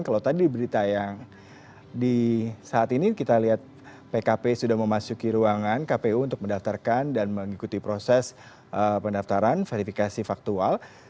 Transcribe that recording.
kalau tadi berita yang di saat ini kita lihat pkp sudah memasuki ruangan kpu untuk mendaftarkan dan mengikuti proses pendaftaran verifikasi faktual